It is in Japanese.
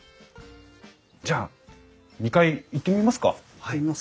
じゃあ２階行ってみますか？